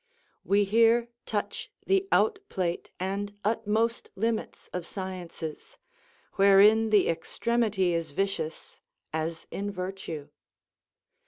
We here touch the out plate and utmost limits of sciences, wherein the extremity is vicious, as in virtue.